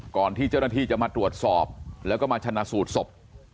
ก่อนที่เจ้าหน้าที่จะมาตรวจสอบแล้วก็มาชนะสูตรศพ